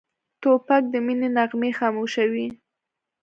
توپک د مینې نغمې خاموشوي.